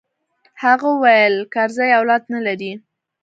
هغه وويل کرزى اولاد نه لري.